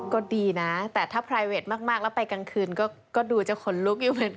ก็ดีนะแต่ถ้าพลายเวทมากแล้วไปกลางคืนก็ดูจะขนลุกอยู่เหมือนกัน